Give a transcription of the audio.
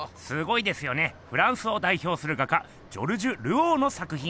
フランスをだいひょうする画家ジョルジュ・ルオーの作品。